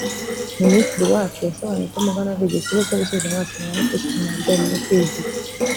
Minisitiri Uwacu yasobanuye ko umuganura ari igihe cyiza cyo gusubiza amaso inyuma no kwisuzuma mu bijyanye no kwigira